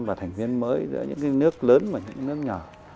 và thành viên mới giữa những cái nước lớn và những cái nước nhỏ